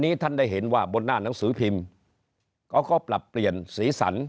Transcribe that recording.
ท่านได้เห็นว่าบนหน้าหนังสือพิมพ์เขาก็ปรับเปลี่ยนสีสัน